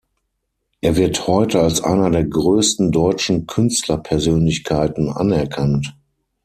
Er wird heute als einer der größten deutschen Künstlerpersönlichkeiten anerkannt.